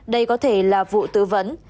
đây có thể là vụ tử vấn